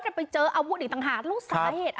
เพื่อเชื่อว่าโรงพยาบาลเป็นไหล้